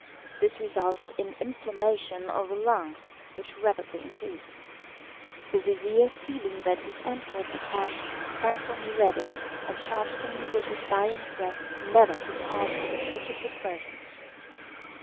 This resulted in inflammation of the lungs, which rapidly increased. The vizir, feeling that his end was at hand, sent for Noureddin, and charged him with his dying breath never to part with the beautiful Persian.